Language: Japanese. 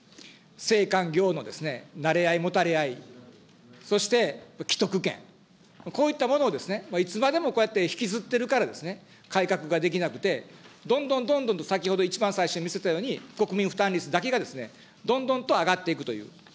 政官業のなれ合い、もたれ合い、そして既得権、こういったものをいつまでもこうやって引きずっているから、改革ができなくて、どんどんどんどんと先ほど一番最初に見せたように、国民負担率だけがどんどんと上がっていくという。